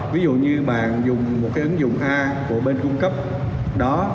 ví dụ như bạn dùng một cái ứng dụng a của bên cung cấp đó